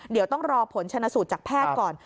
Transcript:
เดี๋ยวต้องรอผลชนะสูตรจากแพทย์ก่อน